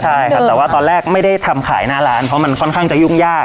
ใช่ครับแต่ว่าตอนแรกไม่ได้ทำขายหน้าร้านเพราะมันค่อนข้างจะยุ่งยาก